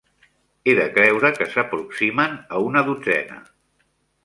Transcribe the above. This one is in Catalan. He de creure que s'aproximen a una dotzena.